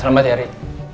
selamat ya rid